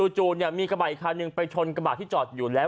จู่มีกระบะอีกคันหนึ่งไปชนกระบาดที่จอดอยู่แล้ว